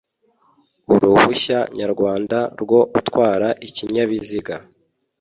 uruhushya nyarwanda rwo gutwara ikinyabiziga